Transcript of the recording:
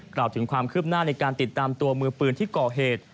กล่าวถึงความคืบหน้าในการติดตามตัวมือปืนที่ก่อเหตุ